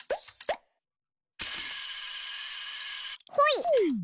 ほい！